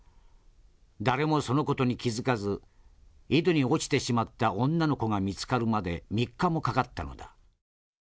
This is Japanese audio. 誰もその事に気付かず井戸に落ちてしまった女の子が見つかるまで３日もかかったのだ。